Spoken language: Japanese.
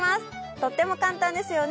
とっても簡単ですよね。